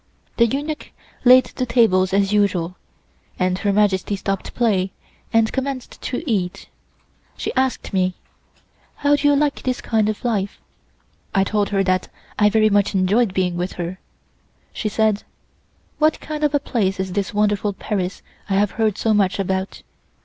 The eunuch laid the tables as usual, and Her Majesty stopped play, and commenced to eat. She asked me: "How do you like this kind of life?" I told her that I very much enjoyed being with her. She said: "What kind of a place is this wonderful Paris I have heard so much about?